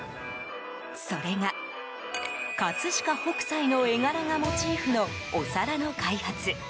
それが、葛飾北斎の絵柄がモチーフのお皿の開発。